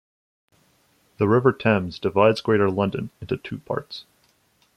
The River Thames divides Greater London into two parts.